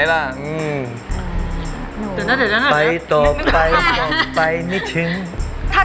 นางเอกร้องไห้